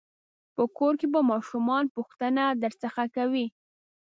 په کور کې به ماشومان پوښتنه درڅخه کوي.